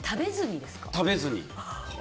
食べずに。